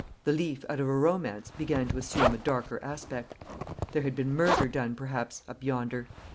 The leaf out of a romance began to assume a darker aspect. There had been murder done, perhaps, up yonder.